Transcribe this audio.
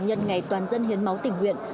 nhân ngày toàn dân hiến máu tình nguyện